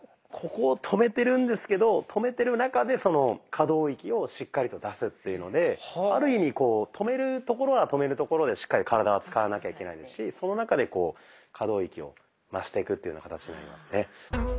ここを止めてるんですけど止めてる中でその可動域をしっかりと出すっていうのである意味止めるところは止めるところでしっかり体は使わなきゃいけないですしその中でこう可動域を増していくっていうふうな形になりますね。